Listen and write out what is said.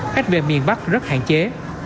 khách về miền bắc rất hạn chế